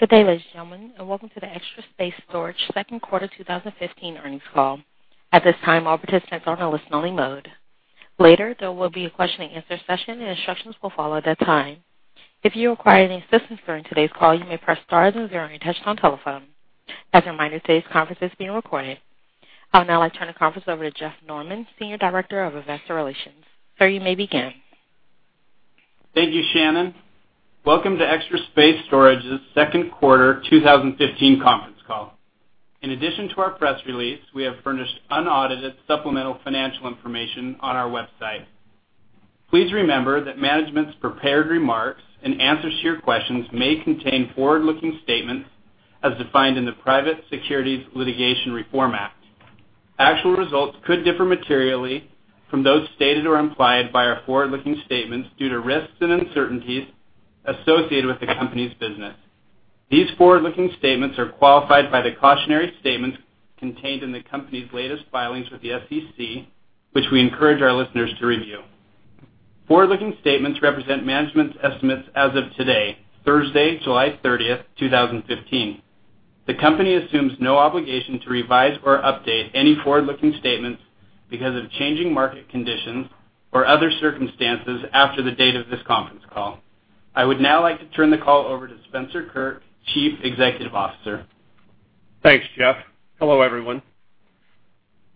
Good day, ladies and gentlemen. Welcome to the Extra Space Storage second quarter 2015 earnings call. At this time, all participants are in listen only mode. Later, there will be a question and answer session, and instructions will follow at that time. If you require any assistance during today's call, you may press star then zero on your touchtone telephone. As a reminder, today's conference is being recorded. I would now like to turn the conference over to Jeff Norman, Senior Director of Investor Relations. Sir, you may begin. Thank you, Shannon. Welcome to Extra Space Storage's second quarter 2015 conference call. In addition to our press release, we have furnished unaudited supplemental financial information on our website. Please remember that management's prepared remarks and answers to your questions may contain forward-looking statements as defined in the Private Securities Litigation Reform Act. Actual results could differ materially from those stated or implied by our forward-looking statements due to risks and uncertainties associated with the company's business. These forward-looking statements are qualified by the cautionary statements contained in the company's latest filings with the SEC, which we encourage our listeners to review. Forward-looking statements represent management's estimates as of today, Thursday, July 30, 2015. The company assumes no obligation to revise or update any forward-looking statements because of changing market conditions or other circumstances after the date of this conference call. I would now like to turn the call over to Spencer Kirk, Chief Executive Officer. Thanks, Jeff. Hello, everyone.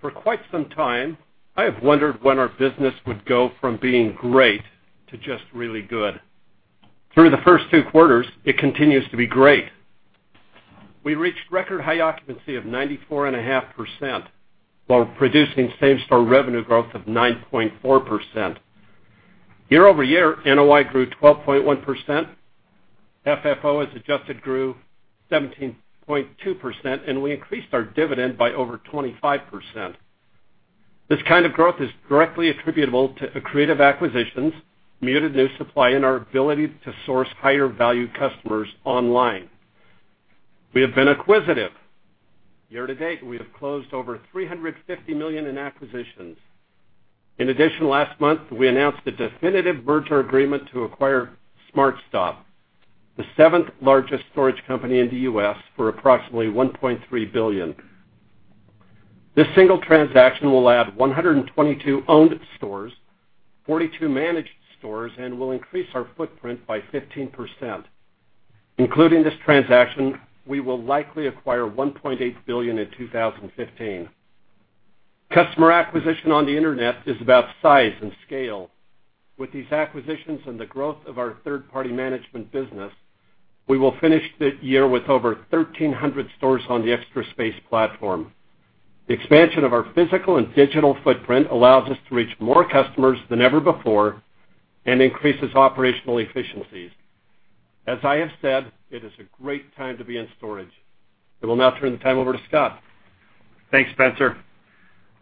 For quite some time, I have wondered when our business would go from being great to just really good. Through the first two quarters, it continues to be great. We reached record high occupancy of 94.5% while producing same store revenue growth of 9.4%. Year-over-year, NOI grew 12.1%, FFO as adjusted grew 17.2%, and we increased our dividend by over 25%. This kind of growth is directly attributable to accretive acquisitions, muted new supply, and our ability to source higher value customers online. We have been acquisitive. Year-to-date, we have closed over $350 million in acquisitions. In addition, last month, we announced a definitive merger agreement to acquire SmartStop, the seventh largest storage company in the U.S., for approximately $1.3 billion. This single transaction will add 122 owned stores, 42 managed stores, and will increase our footprint by 15%. Including this transaction, we will likely acquire $1.8 billion in 2015. Customer acquisition on the internet is about size and scale. With these acquisitions and the growth of our third-party management business, we will finish the year with over 1,300 stores on the Extra Space platform. The expansion of our physical and digital footprint allows us to reach more customers than ever before and increases operational efficiencies. As I have said, it is a great time to be in storage. I will now turn the time over to Scott. Thanks, Spencer.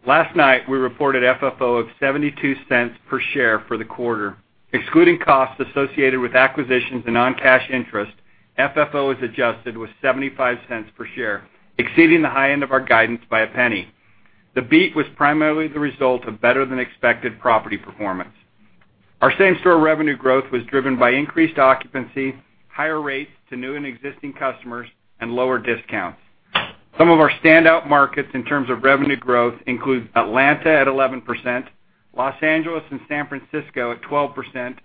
Last night, we reported FFO of $0.72 per share for the quarter. Excluding costs associated with acquisitions and non-cash interest, FFO as adjusted was $0.75 per share, exceeding the high end of our guidance by $0.01. The beat was primarily the result of better than expected property performance. Our same store revenue growth was driven by increased occupancy, higher rates to new and existing customers, and lower discounts. Some of our standout markets in terms of revenue growth include Atlanta at 11%, Los Angeles and San Francisco at 12%,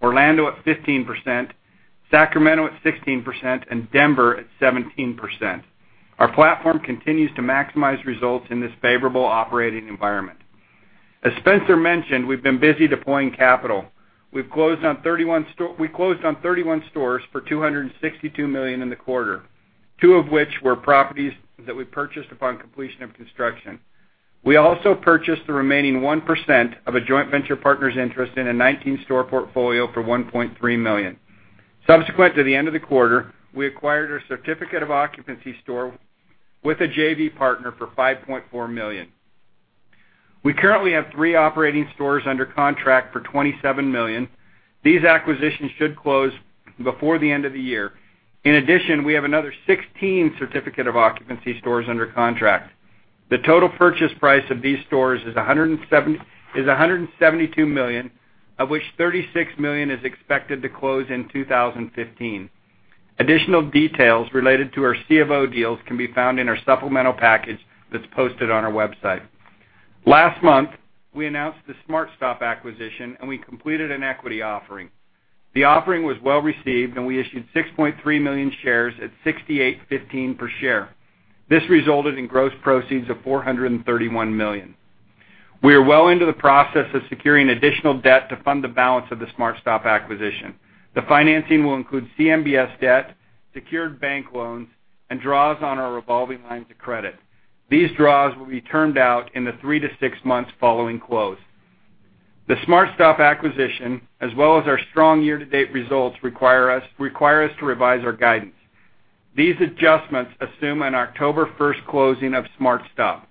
Orlando at 15%, Sacramento at 16%, and Denver at 17%. Our platform continues to maximize results in this favorable operating environment. As Spencer mentioned, we've been busy deploying capital. We closed on 31 stores for $262 million in the quarter, two of which were properties that we purchased upon completion of construction. We also purchased the remaining 1% of a joint venture partner's interest in a 19-store portfolio for $1.3 million. Subsequent to the end of the quarter, we acquired a certificate of occupancy store with a JV partner for $5.4 million. We currently have three operating stores under contract for $27 million. These acquisitions should close before the end of the year. In addition, we have another 16 certificate of occupancy stores under contract. The total purchase price of these stores is $172 million, of which $36 million is expected to close in 2015. Additional details related to our C of O deals can be found in our supplemental package that's posted on our website. Last month, we announced the SmartStop acquisition, and we completed an equity offering. The offering was well-received, and we issued 6.3 million shares at $68.15 per share. This resulted in gross proceeds of $431 million. We are well into the process of securing additional debt to fund the balance of the SmartStop acquisition. The financing will include CMBS debt, secured bank loans, and draws on our revolving lines of credit. These draws will be termed out in the three to six months following close. The SmartStop acquisition, as well as our strong year-to-date results, require us to revise our guidance. These adjustments assume an October 1st closing of SmartStop.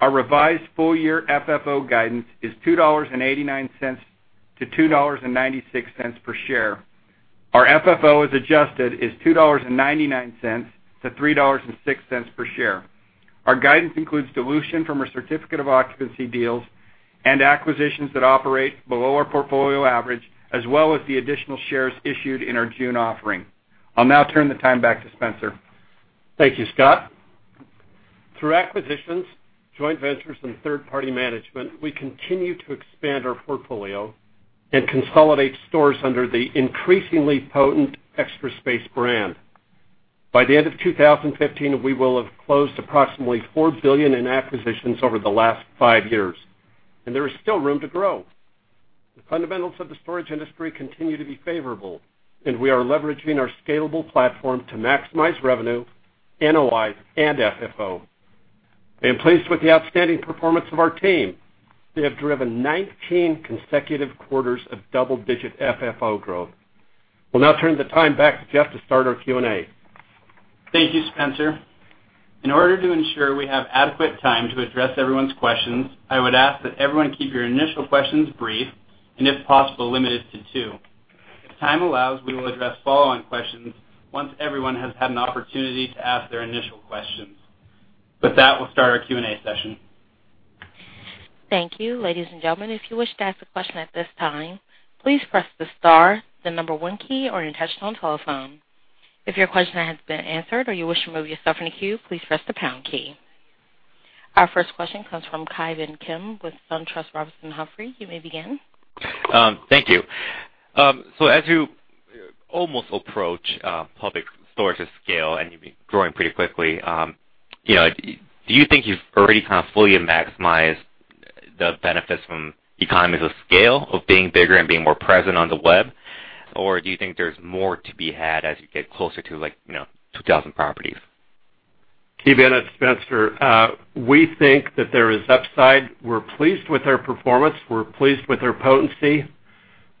Our revised full year FFO guidance is $2.89 to $2.96 per share. Our FFO as adjusted is $2.99 to $3.06 per share. Our guidance includes dilution from our certificate of occupancy deals and acquisitions that operate below our portfolio average, as well as the additional shares issued in our June offering. I'll now turn the time back to Spencer. Thank you, Scott. Through acquisitions, joint ventures, and third-party management, we continue to expand our portfolio and consolidate stores under the increasingly potent Extra Space brand. By the end of 2015, we will have closed approximately $4 billion in acquisitions over the last five years, and there is still room to grow. The fundamentals of the storage industry continue to be favorable, and we are leveraging our scalable platform to maximize revenue, NOI, and FFO. I am pleased with the outstanding performance of our team. They have driven 19 consecutive quarters of double-digit FFO growth. We'll now turn the time back to Jeff to start our Q&A. Thank you, Spencer. In order to ensure we have adequate time to address everyone's questions, I would ask that everyone keep your initial questions brief and, if possible, limited to two. If time allows, we will address follow-on questions once everyone has had an opportunity to ask their initial questions. With that, we'll start our Q&A session. Thank you. Ladies and gentlemen, if you wish to ask a question at this time, please press the star, the number one key on your touch-tone telephone. If your question has been answered or you wish to remove yourself from the queue, please press the pound key. Our first question comes from Ki Bin Kim with SunTrust Robinson Humphrey. You may begin. As you almost approach Public Storage's scale and you've been growing pretty quickly, do you think you've already kind of fully maximized the benefits from economies of scale of being bigger and being more present on the web? Do you think there's more to be had as you get closer to 2,000 properties? Ki Bin, it's Spencer. We think that there is upside. We're pleased with our performance. We're pleased with our potency.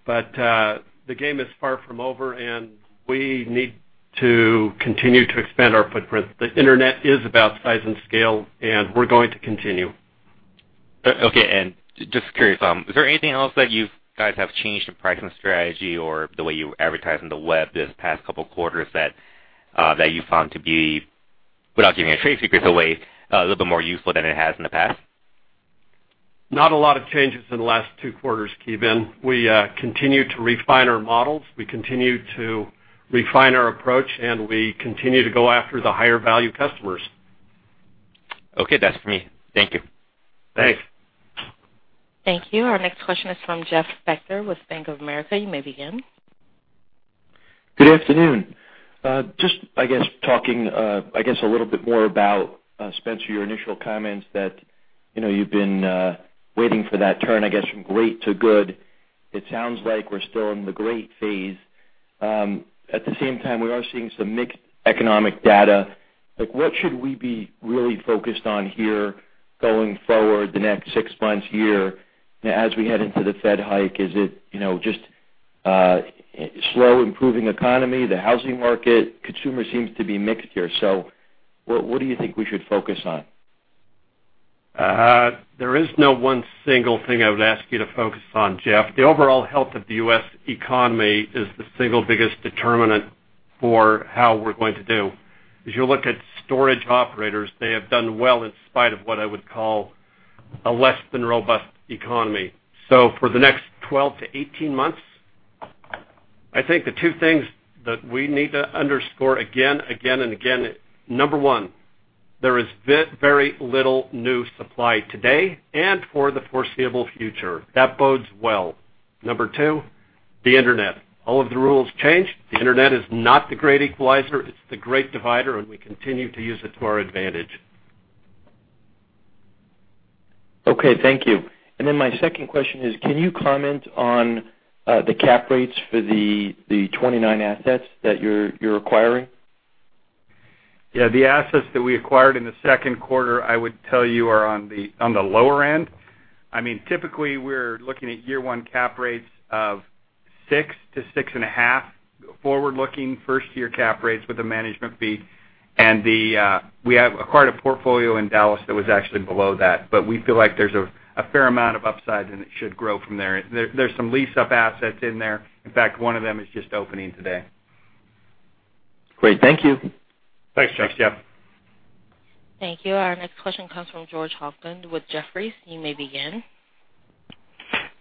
The game is far from over. We need to continue to expand our footprint. The internet is about size and scale. We're going to continue. Okay. Just curious, is there anything else that you guys have changed in pricing strategy or the way you advertise on the web this past couple of quarters that you found to be, without giving a trade secret away, a little bit more useful than it has in the past? Not a lot of changes in the last two quarters, Ki Bin. We continue to refine our models, we continue to refine our approach. We continue to go after the higher value customers. Okay. That's for me. Thank you. Thanks. Thank you. Our next question is from Jeffrey Spector with Bank of America. You may begin. I guess talking a little bit more about, Spencer, your initial comments that you've been waiting for that turn, I guess from great to good. It sounds like we're still in the great phase. At the same time, we are seeing some mixed economic data. What should we be really focused on here going forward the next six months, year, as we head into the Fed hike? Is it just slow, improving economy, the housing market? Consumer seems to be mixed here, what do you think we should focus on? There is no one single thing I would ask you to focus on, Jeff. The overall health of the U.S. economy is the single biggest determinant for how we're going to do. As you look at storage operators, they have done well in spite of what I would call a less than robust economy. For the next 12 to 18 months, I think the two things that we need to underscore again, and again. Number 1, there is very little new supply today and for the foreseeable future. That bodes well. Number 2, the internet. All of the rules change. The internet is not the great equalizer. It's the great divider, we continue to use it to our advantage. Okay, thank you. My second question is, can you comment on the cap rates for the 29 assets that you're acquiring? Yeah. The assets that we acquired in the second quarter, I would tell you, are on the lower end. Typically, we're looking at year one cap rates of six to six and a half forward-looking first-year cap rates with a management fee. We have acquired a portfolio in Dallas that was actually below that, but we feel like there's a fair amount of upside and it should grow from there. There's some lease-up assets in there. In fact, one of them is just opening today. Great. Thank you. Thanks, Jeff. Thanks, Jeff. Thank you. Our next question comes from George Hoglund with Jefferies. You may begin.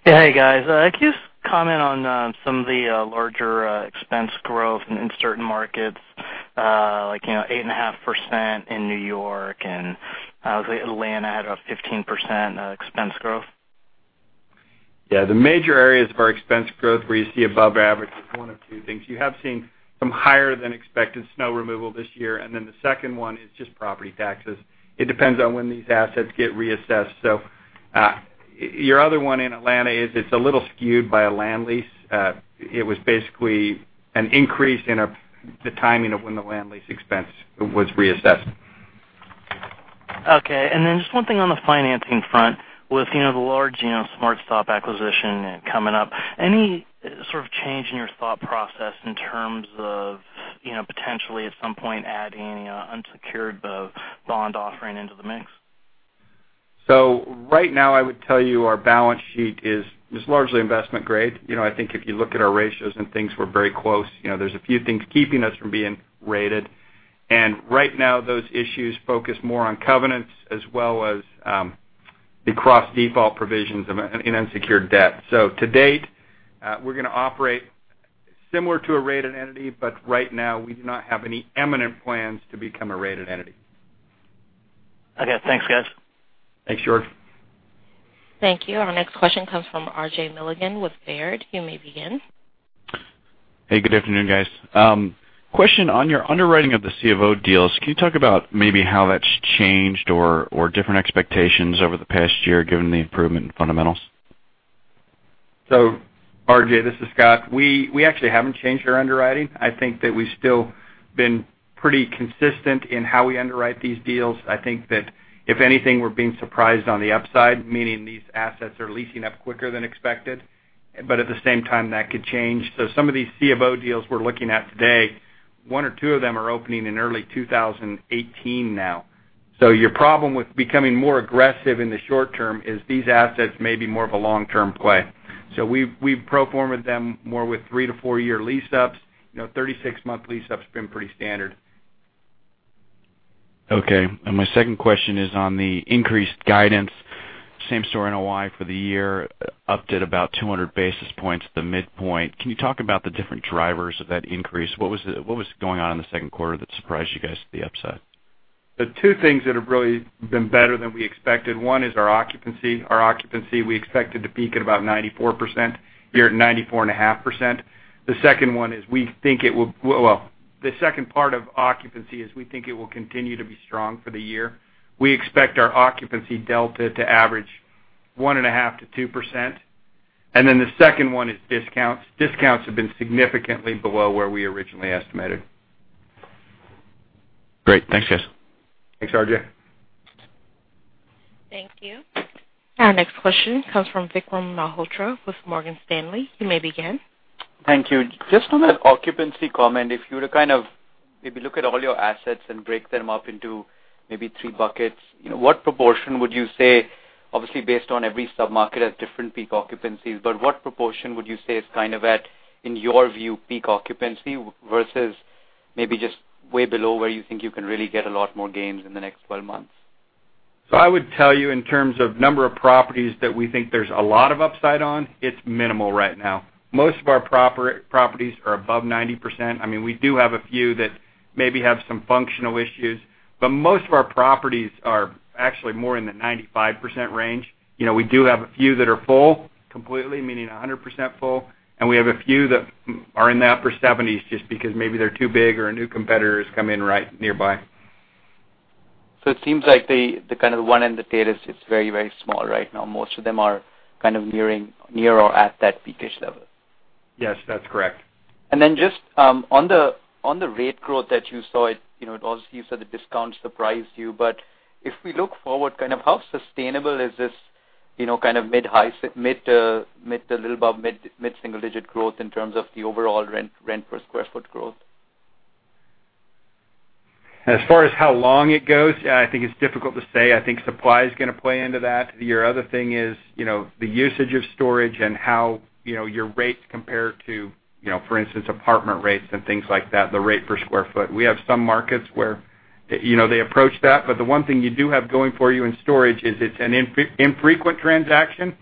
Hey, guys. Can you comment on some of the larger expense growth in certain markets, like, 8.5% in New York and Atlanta had a 15% expense growth? Yeah. The major areas of our expense growth where you see above average is one of two things. Then the second one is just property taxes. It depends on when these assets get reassessed. Your other one in Atlanta is a little skewed by a land lease. It was basically an increase in the timing of when the land lease expense was reassessed. Okay. Then just one thing on the financing front. With the large SmartStop acquisition coming up, any sort of change in your thought process in terms of potentially at some point adding unsecured bond offering into the mix? Right now, I would tell you our balance sheet is largely investment grade. I think if you look at our ratios and things, we're very close. There's a few things keeping us from being rated. Right now, those issues focus more on covenants as well as the cross-default provisions in unsecured debt. To date, we're going to operate similar to a rated entity, but right now, we do not have any imminent plans to become a rated entity. Okay. Thanks, guys. Thanks, George. Thank you. Our next question comes from RJ Milligan with Baird. You may begin. Hey, good afternoon, guys. Question on your underwriting of the C of O deals. Can you talk about maybe how that's changed or different expectations over the past year, given the improvement in fundamentals? RJ, this is Scott. We actually haven't changed our underwriting. I think that we've still been pretty consistent in how we underwrite these deals. I think that if anything, we're being surprised on the upside, meaning these assets are leasing up quicker than expected, but at the same time, that could change. Some of these C of O deals we're looking at today, one or two of them are opening in early 2018 now. Your problem with becoming more aggressive in the short term is these assets may be more of a long-term play. We've pro forma'd them more with three to four-year lease-ups. 36-month lease-up's been pretty standard. Okay. My second question is on the increased guidance, same store NOI for the year, upped at about 200 basis points at the midpoint. Can you talk about the different drivers of that increase? What was going on in the second quarter that surprised you guys to the upside? The two things that have really been better than we expected, one is our occupancy. Our occupancy, we expected to peak at about 94%, year-end 94.5%. The second part of occupancy is we think it will continue to be strong for the year. We expect our occupancy delta to average 1.5%-2%. The second one is discounts. Discounts have been significantly below where we originally estimated. Great. Thanks, guys. Thanks, RJ. Thank you. Our next question comes from Vikram Malhotra with Morgan Stanley. You may begin. Thank you. Just on the occupancy comment, if you were to kind of maybe look at all your assets and break them up into maybe three buckets, what proportion would you say, obviously based on every sub-market has different peak occupancies, but what proportion would you say is kind of at, in your view, peak occupancy versus maybe just way below where you think you can really get a lot more gains in the next 12 months? I would tell you in terms of number of properties that we think there's a lot of upside on, it's minimal right now. Most of our properties are above 90%. We do have a few that maybe have some functional issues, but most of our properties are actually more in the 95% range. We do have a few that are full, completely, meaning 100% full, and we have a few that are in the upper 70s just because maybe they're too big or a new competitor has come in right nearby. It seems like the kind of one end of the tail is just very, very small right now. Most of them are kind of nearing near or at that peak-ish level. Yes, that's correct. Just on the rate growth that you saw, obviously you said the discount surprised you, but if we look forward kind of how sustainable is this kind of mid-high, mid to little above mid-single digit growth in terms of the overall rent per square foot growth? As far as how long it goes, I think it's difficult to say. I think supply is going to play into that. Your other thing is the usage of storage and how your rates compare to, for instance, apartment rates and things like that, the rate per square foot. We have some markets where they approach that. The one thing you do have going for you in storage is it's an infrequent transaction.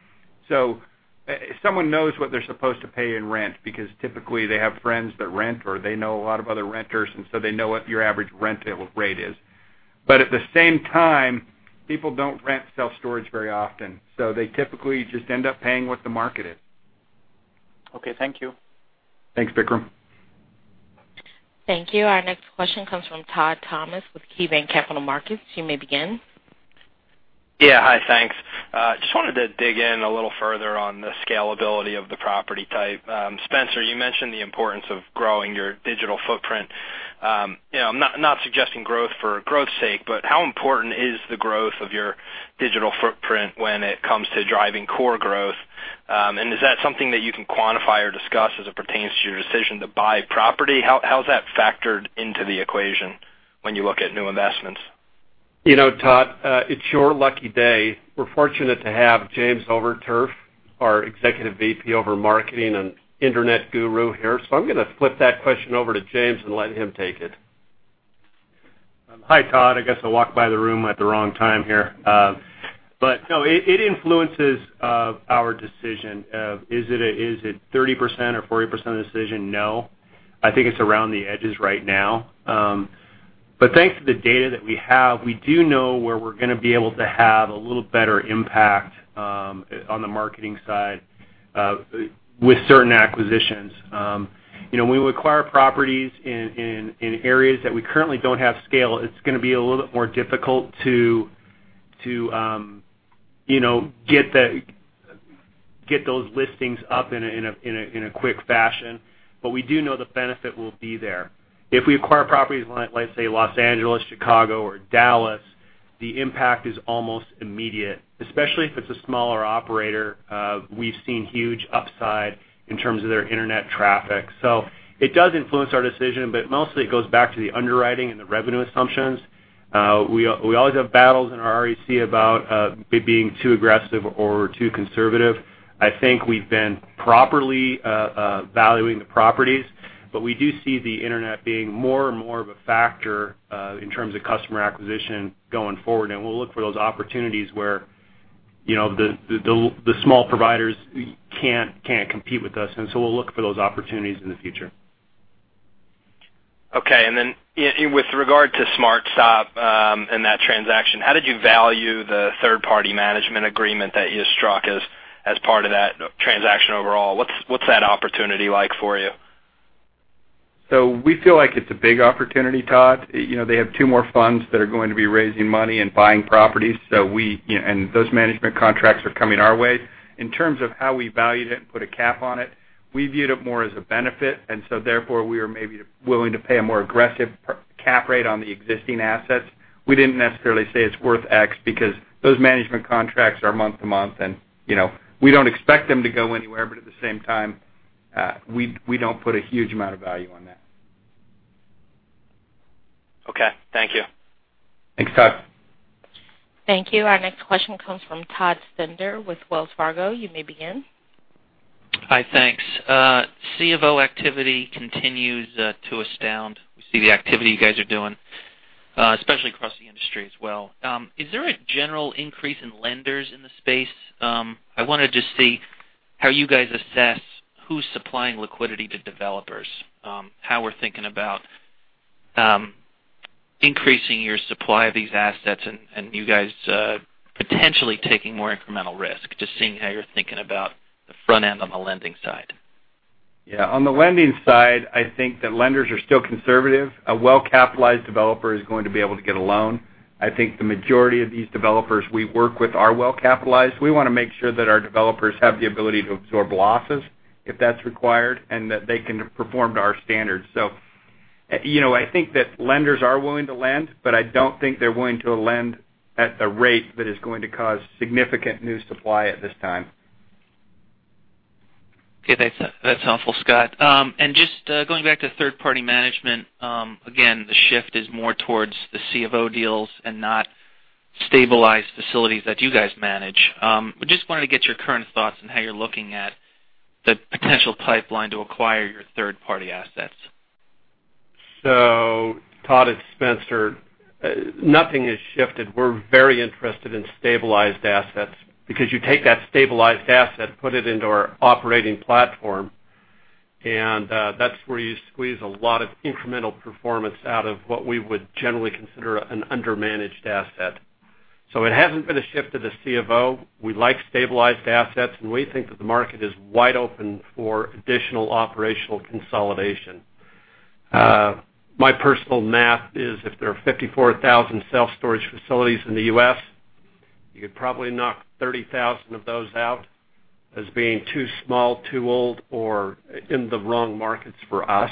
Someone knows what they're supposed to pay in rent because typically they have friends that rent or they know a lot of other renters, and so they know what your average rental rate is. At the same time, people don't rent self-storage very often, so they typically just end up paying what the market is. Okay, thank you. Thanks, Vikram. Thank you. Our next question comes from Todd Thomas with KeyBanc Capital Markets. You may begin. Yeah. Hi, thanks. Just wanted to dig in a little further on the scalability of the property type. Spencer, you mentioned the importance of growing your digital footprint. I'm not suggesting growth for growth's sake, but how important is the growth of your digital footprint when it comes to driving core growth? Is that something that you can quantify or discuss as it pertains to your decision to buy property? How's that factored into the equation when you look at new investments? Todd, it's your lucky day. We're fortunate to have James Overturf, our Executive VP over marketing and internet guru here. I'm going to flip that question over to James and let him take it. Hi, Todd. I guess I walked by the room at the wrong time here. No, it influences our decision. Is it 30% or 40% of the decision? No. I think it's around the edges right now. Thanks to the data that we have, we do know where we're going to be able to have a little better impact on the marketing side with certain acquisitions. When we acquire properties in areas that we currently don't have scale, it's going to be a little bit more difficult to get those listings up in a quick fashion. We do know the benefit will be there. If we acquire properties, let's say Los Angeles, Chicago, or Dallas. The impact is almost immediate, especially if it's a smaller operator. We've seen huge upside in terms of their internet traffic. It does influence our decision, but mostly it goes back to the underwriting and the revenue assumptions. We always have battles in our REC about it being too aggressive or too conservative. I think we've been properly valuing the properties, but we do see the internet being more and more of a factor in terms of customer acquisition going forward. We'll look for those opportunities where the small providers can't compete with us, and so we'll look for those opportunities in the future. Okay. Then with regard to SmartStop and that transaction, how did you value the third-party management agreement that you struck as part of that transaction overall? What's that opportunity like for you? We feel like it's a big opportunity, Todd. They have two more funds that are going to be raising money and buying properties. Those management contracts are coming our way. In terms of how we valued it and put a cap on it, we viewed it more as a benefit. Therefore, we were maybe willing to pay a more aggressive cap rate on the existing assets. We didn't necessarily say it's worth X because those management contracts are month to month. We don't expect them to go anywhere, but at the same time, we don't put a huge amount of value on that. Okay. Thank you. Thanks, Todd. Thank you. Our next question comes from Todd Stender with Wells Fargo. You may begin. Hi, thanks. C of O activity continues to astound. We see the activity you guys are doing, especially across the industry as well. Is there a general increase in lenders in the space? I wanted to see how you guys assess who's supplying liquidity to developers, how we're thinking about increasing your supply of these assets and you guys potentially taking more incremental risk. Just seeing how you're thinking about the front end on the lending side. Yeah. On the lending side, I think that lenders are still conservative. A well-capitalized developer is going to be able to get a loan. I think the majority of these developers we work with are well capitalized. We want to make sure that our developers have the ability to absorb losses if that's required, and that they can perform to our standards. I think that lenders are willing to lend, but I don't think they're willing to lend at a rate that is going to cause significant new supply at this time. Okay. That's helpful, Scott. Just going back to third-party management, again, the shift is more towards the C of O deals and not stabilized facilities that you guys manage. Just wanted to get your current thoughts on how you're looking at the potential pipeline to acquire your third-party assets. Todd, it's Spencer. Nothing has shifted. We're very interested in stabilized assets because you take that stabilized asset, put it into our operating platform, and that's where you squeeze a lot of incremental performance out of what we would generally consider an under-managed asset. It hasn't been a shift to the C of O. We like stabilized assets, and we think that the market is wide open for additional operational consolidation. My personal math is if there are 54,000 self-storage facilities in the U.S., you could probably knock 30,000 of those out as being too small, too old, or in the wrong markets for us.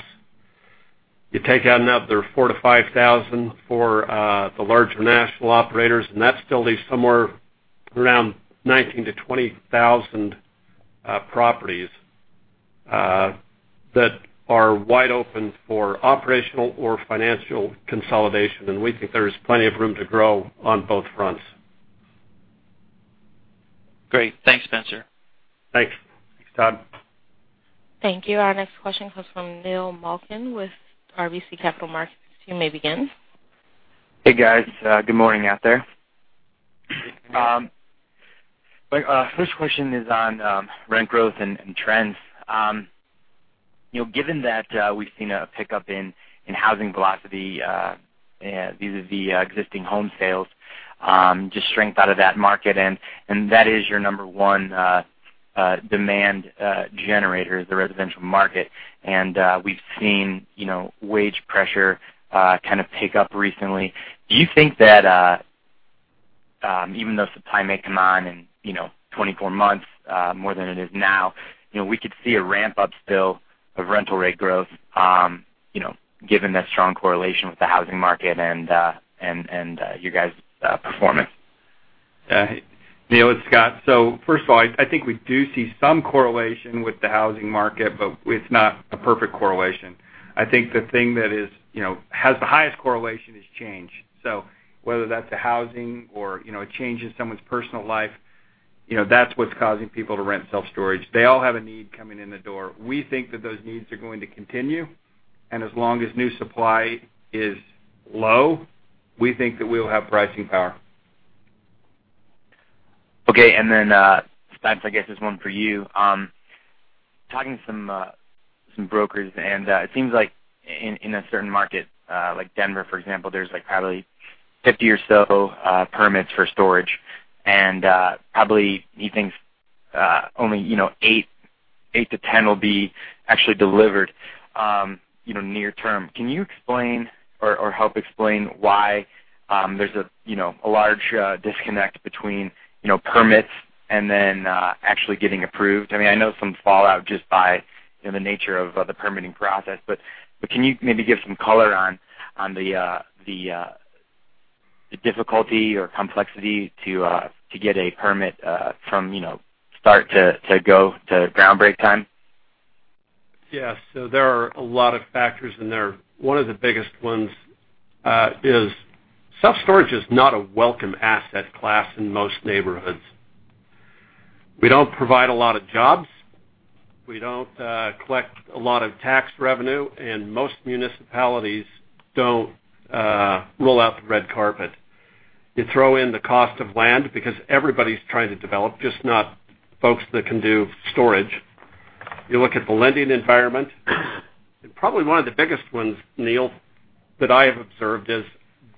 You take out another 4,000 to 5,000 for the larger national operators, that still leaves somewhere around 19,000 to 20,000 properties that are wide open for operational or financial consolidation, we think there is plenty of room to grow on both fronts. Great. Thanks, Spencer. Thanks. Thanks, Todd. Thank you. Our next question comes from Neil Malkin with RBC Capital Markets. You may begin. Hey, guys. Good morning out there. My first question is on rent growth and trends. Given that we've seen a pickup in housing velocity vis-a-vis existing home sales, just strength out of that market, and that is your number one demand generator, the residential market. We've seen wage pressure kind of pick up recently. Do you think that, even though supply may come on in 24 months more than it is now, we could see a ramp up still of rental rate growth, given that strong correlation with the housing market and you guys' performance? Neil, it's Scott. First of all, I think we do see some correlation with the housing market, but it's not a perfect correlation. I think the thing that has the highest correlation is change. Whether that's a housing or a change in someone's personal life, that's what's causing people to rent self-storage. They all have a need coming in the door. We think that those needs are going to continue. As long as new supply is low, we think that we'll have pricing power. Okay. Then, Spence, I guess this one for you. Talking to some brokers and it seems like in a certain market, like Denver, for example, there's probably 50 or so permits for storage. Probably you think only 8-10 will be actually delivered near term. Can you explain or help explain why there's a large disconnect between permits and then actually getting approved? I know some fallout just by the nature of the permitting process, but can you maybe give some color on the difficulty or complexity to get a permit from start to go, to ground break time? Yes. There are a lot of factors in there. One of the biggest ones is, self-storage is not a welcome asset class in most neighborhoods. We don't provide a lot of jobs, we don't collect a lot of tax revenue, and most municipalities don't roll out the red carpet. You throw in the cost of land because everybody's trying to develop, just not folks that can do storage. You look at the lending environment, and probably one of the biggest ones, Neil, that I have observed is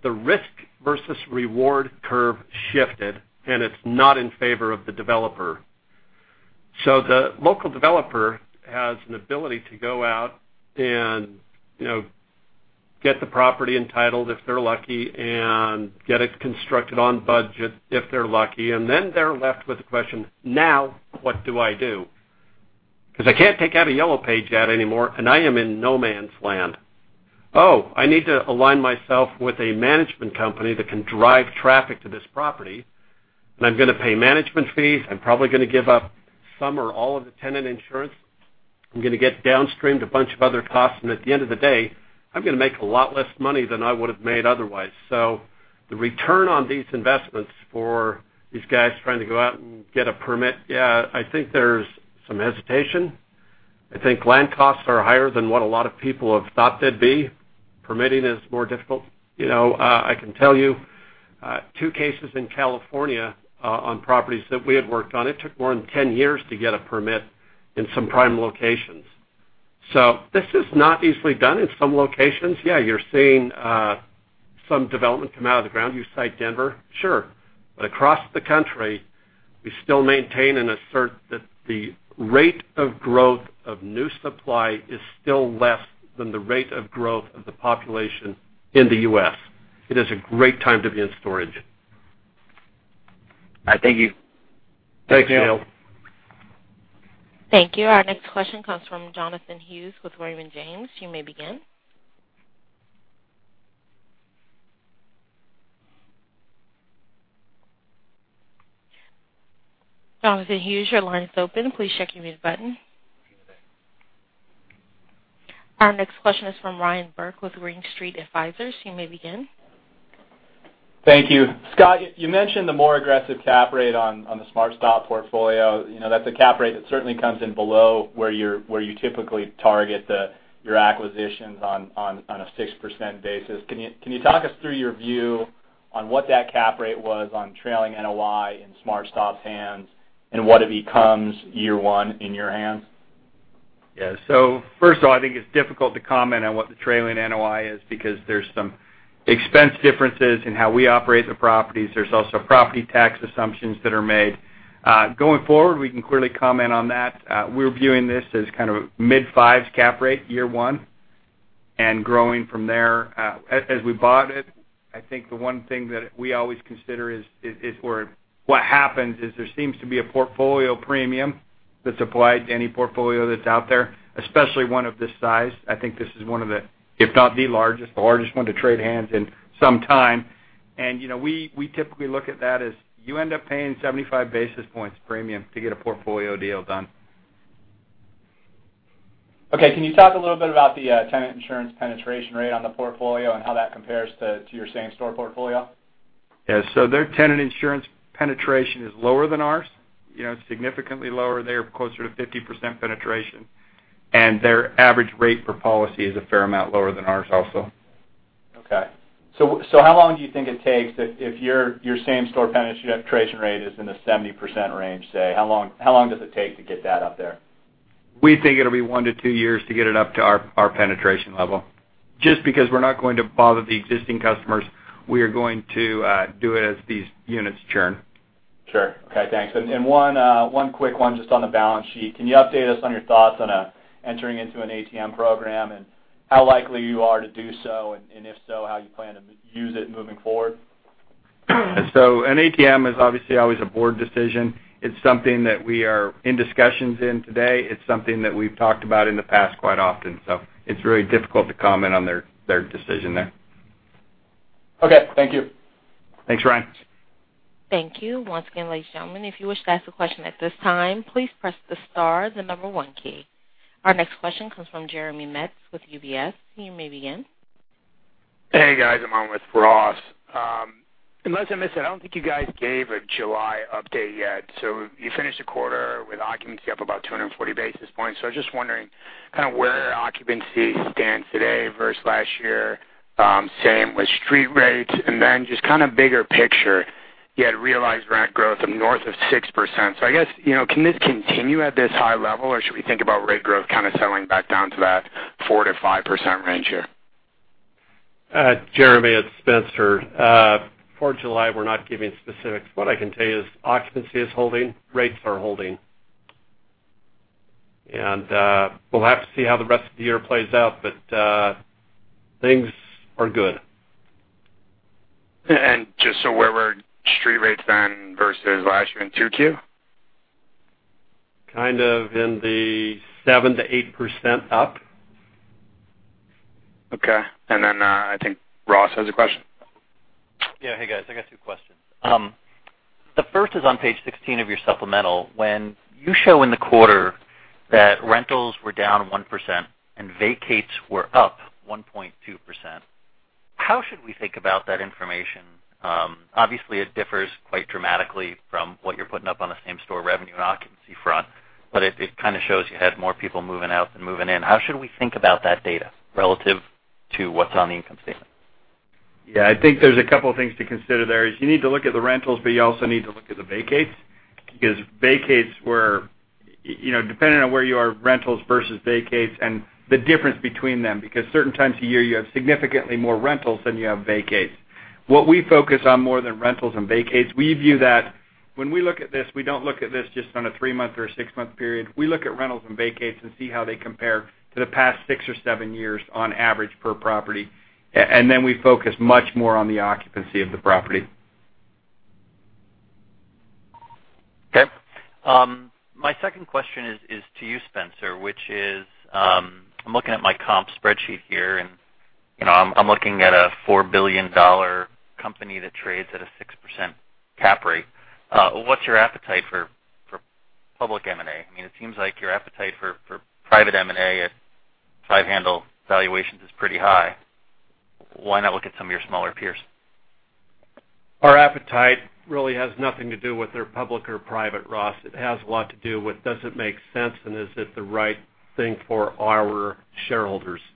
the risk versus reward curve shifted, and it's not in favor of the developer. The local developer has an ability to go out and get the property entitled, if they're lucky, and get it constructed on budget, if they're lucky, and then they're left with the question, now what do I do? Because I can't take out a Yellow Pages ad anymore, and I am in no man's land. Oh, I need to align myself with a management company that can drive traffic to this property, and I'm going to pay management fees. I'm probably going to give up some or all of the tenant insurance. I'm going to get downstreamed a bunch of other costs, and at the end of the day, I'm going to make a lot less money than I would've made otherwise. The return on these investments for these guys trying to go out and get a permit, yeah, I think there's some hesitation. I think land costs are higher than what a lot of people have thought they'd be. Permitting is more difficult. I can tell you, two cases in California, on properties that we had worked on, it took more than 10 years to get a permit in some prime locations. This is not easily done in some locations. Yeah, you are seeing some development come out of the ground. You cite Denver. Sure. Across the country, we still maintain and assert that the rate of growth of new supply is still less than the rate of growth of the population in the U.S. It is a great time to be in storage. All right. Thank you. Thanks, Neil. Thank you. Our next question comes from Jonathan Hughes with Raymond James. You may begin. Jonathan Hughes, your line is open. Please check your mute button. Our next question is from Ryan Burke with Green Street Advisors. You may begin. Thank you. Scott, you mentioned the more aggressive cap rate on the SmartStop portfolio. That's a cap rate that certainly comes in below where you typically target your acquisitions on a 6% basis. Can you talk us through your view on what that cap rate was on trailing NOI in SmartStop's hands, and what it becomes year one in your hands? Yeah. First of all, I think it's difficult to comment on what the trailing NOI is because there's some expense differences in how we operate the properties. There's also property tax assumptions that are made. Going forward, we can clearly comment on that. We're viewing this as kind of mid-5s cap rate year one, and growing from there. As we bought it, I think the one thing that we always consider is what happens is there seems to be a portfolio premium that's applied to any portfolio that's out there, especially one of this size. I think this is one of the, if not the largest, one to trade hands in some time. We typically look at that as you end up paying 75 basis points premium to get a portfolio deal done. Okay. Can you talk a little bit about the tenant insurance penetration rate on the portfolio and how that compares to your same store portfolio? Yeah. Their tenant insurance penetration is lower than ours, significantly lower. They are closer to 50% penetration, their average rate per policy is a fair amount lower than ours also. Okay. How long do you think it takes if your same store penetration rate is in the 70% range, say, how long does it take to get that up there? We think it'll be one to two years to get it up to our penetration level. Just because we're not going to bother the existing customers. We are going to do it as these units churn. Sure. Okay, thanks. One quick one just on the balance sheet. Can you update us on your thoughts on entering into an ATM program, and how likely you are to do so, and if so, how you plan to use it moving forward? An ATM is obviously always a board decision. It's something that we are in discussions in today. It's something that we've talked about in the past quite often. It's very difficult to comment on their decision there. Okay. Thank you. Thanks, Ryan. Thank you. Once again, ladies and gentlemen, if you wish to ask a question at this time, please press the star then the number one key. Our next question comes from Jeremy Metz with UBS. You may begin. Hey, guys. I'm on with Ross. Unless I missed it, I don't think you guys gave a July update yet. You finished the quarter with occupancy up about 240 basis points. I was just wondering kind of where occupancy stands today versus last year, same with street rates, and then just kind of bigger picture, you had realized rent growth of north of 6%. I guess, can this continue at this high level, or should we think about rate growth kind of settling back down to that 4%-5% range here? Jeremy, it's Spencer. For July, we're not giving specifics. What I can tell you is occupancy is holding, rates are holding. We'll have to see how the rest of the year plays out, but things are good. Just so where were street rates then versus last year in 2Q? Kind of in the 7%-8% up. Okay. Then I think Ross has a question. Yeah. Hey, guys. I got two questions. The first is on page 16 of your supplemental. When you show in the quarter that rentals were down 1% and vacates were up 1.2%, how should we think about that information? Obviously, it differs quite dramatically from what you're putting up on a same-store revenue and occupancy front. It kind of shows you had more people moving out than moving in. How should we think about that data relative to what's on the income statement? Yeah, I think there's a couple of things to consider there, is you need to look at the rentals, but you also need to look at the vacates. Depending on where you are, rentals versus vacates and the difference between them, because certain times of year, you have significantly more rentals than you have vacates. What we focus on more than rentals and vacates, we view that when we look at this, we don't look at this just on a three-month or a six-month period. We look at rentals and vacates and see how they compare to the past six or seven years on average per property. Then we focus much more on the occupancy of the property. Okay. My second question is to you, Spencer, which is, I'm looking at my comp spreadsheet here, and I'm looking at a $4 billion company that trades at a 6% CAP rate. What's your appetite for public M&A? It seems like your appetite for private M&A at five handle valuations is pretty high. Why not look at some of your smaller peers? Our appetite really has nothing to do with they're public or private, Ross. It has a lot to do with does it make sense, and is it the right thing for our shareholders? If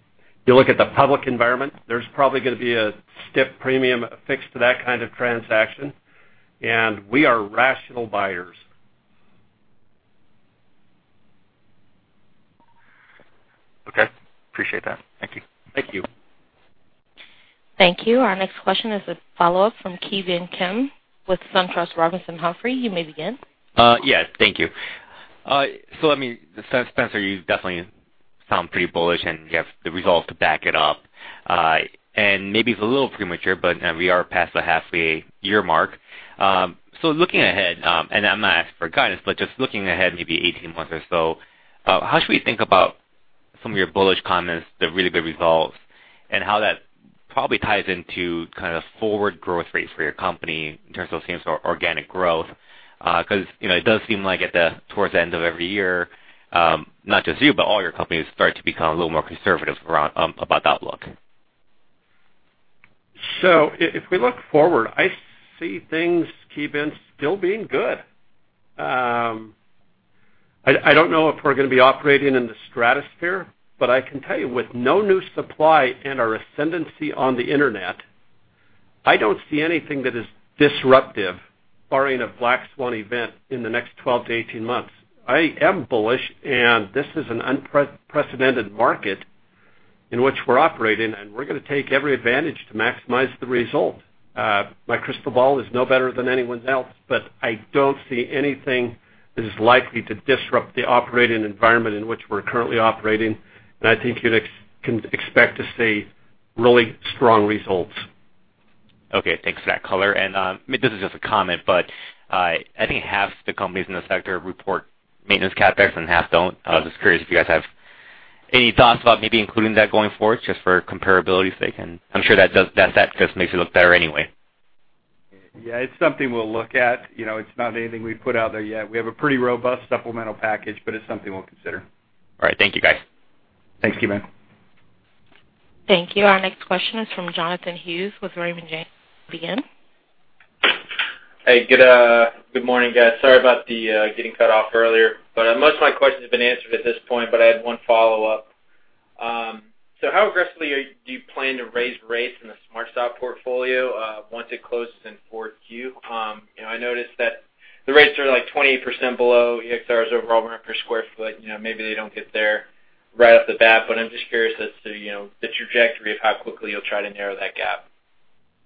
you look at the public environment, there's probably going to be a stiff premium affixed to that kind of transaction, and we are rational buyers. Okay. Appreciate that. Thank you. Thank you. Thank you. Our next question is a follow-up from Ki Bin Kim with SunTrust Robinson Humphrey. You may begin. Yes. Thank you. Spencer, you definitely sound pretty bullish, and you have the results to back it up. Maybe it's a little premature, but we are past the halfway year mark. Looking ahead, and I'm not asking for guidance, but just looking ahead maybe 18 months or so, how should we think about some of your bullish comments, the really good results, and how that probably ties into kind of forward growth rates for your company in terms of same-store organic growth? Because it does seem like towards the end of every year, not just you, but all your companies start to become a little more conservative about the outlook. If we look forward, I see things, Ki Bin, still being good. I don't know if we're going to be operating in the stratosphere, but I can tell you with no new supply and our ascendancy on the internet, I don't see anything that is disruptive barring a black swan event in the next 12 to 18 months. I am bullish, and this is an unprecedented market in which we're operating, and we're going to take every advantage to maximize the result. My crystal ball is no better than anyone's else, but I don't see anything that is likely to disrupt the operating environment in which we're currently operating, and I think you can expect to see really strong results. Okay. Thanks for that color. This is just a comment, but I think half the companies in the sector report maintenance CapEx and half don't. I was just curious if you guys have any thoughts about maybe including that going forward just for comparability's sake. I'm sure that stat just makes you look better anyway. Yeah, it's something we'll look at. It's not anything we've put out there yet. We have a pretty robust supplemental package, but it's something we'll consider. All right. Thank you, guys. Thanks, Ki Bin. Thank you. Our next question is from Jonathan Hughes with Raymond James. Begin. Hey, good morning, guys. Most of my questions have been answered at this point, I had one follow-up. How aggressively do you plan to raise rates in the SmartStop portfolio once it closes in 4Q? I noticed that the rates are like 28% below EXR's overall rent per square foot. Maybe they don't get there right off the bat, I'm just curious as to the trajectory of how quickly you'll try to narrow that gap.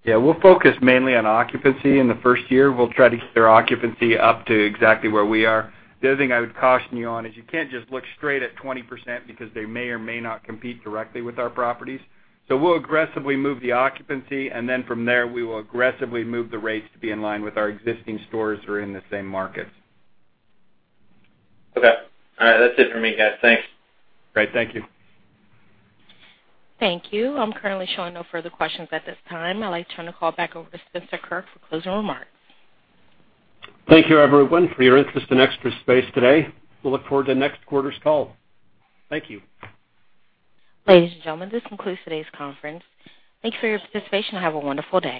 Yeah. We'll focus mainly on occupancy in the first year. We'll try to get their occupancy up to exactly where we are. The other thing I would caution you on is you can't just look straight at 20% because they may or may not compete directly with our properties. We'll aggressively move the occupancy, and then from there, we will aggressively move the rates to be in line with our existing stores who are in the same markets. Okay. All right. That's it for me, guys. Thanks. Great. Thank you. Thank you. I'm currently showing no further questions at this time. I'd like to turn the call back over to Spencer Kirk for closing remarks. Thank you, everyone, for your interest in Extra Space today. We'll look forward to next quarter's call. Thank you. Ladies and gentlemen, this concludes today's conference. Thanks for your participation and have a wonderful day.